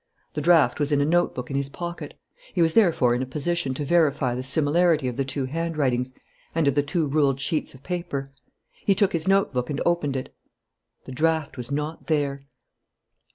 The draft was in a notebook in his pocket. He was therefore in a position to verify the similarity of the two handwritings and of the two ruled sheets of paper. He took his notebook and opened it. The draft was not there.